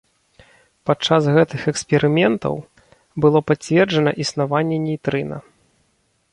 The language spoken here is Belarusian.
Падчас гэтых эксперыментаў было пацверджана існаванне нейтрына.